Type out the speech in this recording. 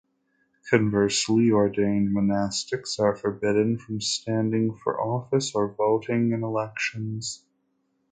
Conversely, ordained monastics are forbidden from standing for office or voting in elections.